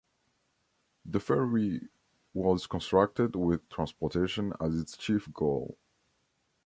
The ferry was constructed with transportation as its chief goal.